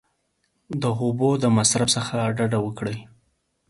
د اوبو د مصرف څخه ډډه وکړئ !